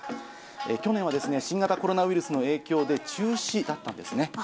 去年は新型コロナウイルスの影響で中止だったんですね。